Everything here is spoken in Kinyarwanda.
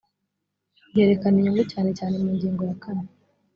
byerekana inyungu cyane cyane mu ngingo ya kane